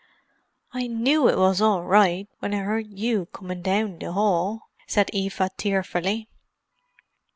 "I knew it was orright when I 'eard you comin' down the 'all," said Eva tearfully.